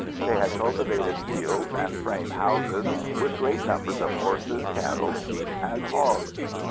They had cultivated fields and frame houses, with great numbers of horses, cattle, sheep, and hogs.